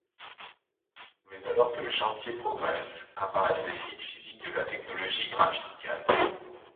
Mais alors que le chantier progresse, apparaissent les limites physiques de la technologie graphite-gaz.